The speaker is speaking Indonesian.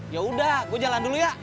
yaudah gue jalan dulu ya